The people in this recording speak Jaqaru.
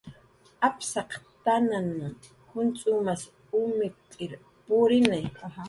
Apsaq tananh juncx'umas umt'ir purini